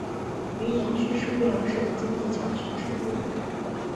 云岩区是贵阳市的经济强区之一。